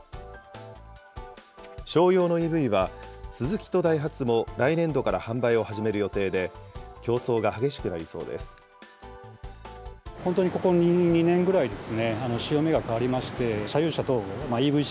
商用のＥＶは、スズキとダイハツも来年度から販売を始める予定で、競争が激しくなりそうです。